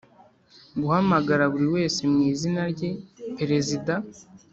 guhamagara buri wese mu izina rye Perezida